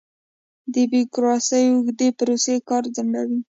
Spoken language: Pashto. د بیروکراسۍ اوږدې پروسې کار ځنډوي.